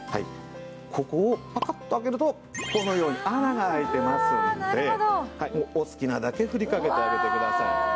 ここをパカッと開けるとこのように穴が開いてますのでお好きなだけふりかけてあげてください。